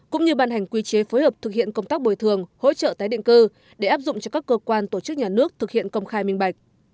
cũng như ban hành quy chế phối hợp thực hiện công tác bồi thường hỗ trợ tái định cư để áp dụng cho các cơ quan tổ chức nhà nước thực hiện công khai minh bạch